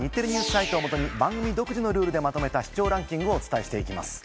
サイトをもとに番組独自のルールでまとめた視聴ランキングをお伝えしていきます。